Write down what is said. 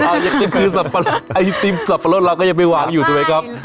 ยังซื้อสับปะรดไอซีมสับปะรดเราก็ยังไม่หวานอยู่ด้วยครับ